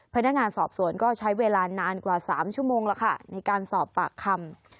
พนักงานสอบสวนก็ใช้เวลานานกว่า๓ชั่วโมงแล้วค่ะในการสอบปากคำ